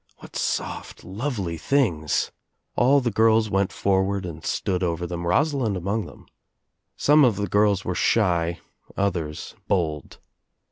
What soft lovely things! All the girls went \\ forward and stood over them, Rosalind among thi ne of the girls were shy, others bold.